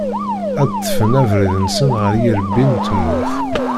Ad d-ṭṭfen abrid-nsen ɣer yirebbi n tmurt.